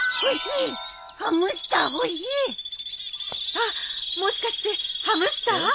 あっもしかしてハムスター？